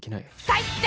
最低！